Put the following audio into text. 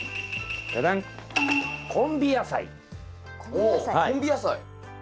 おおコンビ野菜。